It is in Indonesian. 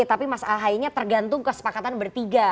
tapi mas ahy nya tergantung kesepakatan bertiga